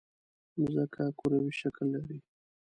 مځکه کروي شکل لري.